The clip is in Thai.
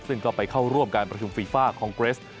ซึ่งก็ไปเข้าร่วมการประชุมฟีฟ่าคองเกรส